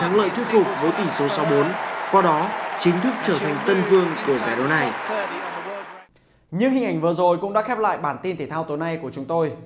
những hình ảnh vừa rồi cũng đã khép lại bản tin thể thao tối nay của chúng tôi